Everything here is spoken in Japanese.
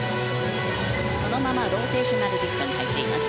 そのままローテーショナルリフトに入っています。